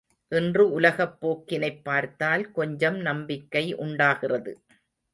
இன்று உலகப் போக்கினைப் பார்த்தால் கொஞ்சம் நம்பிக்கை உண்டாகிறது.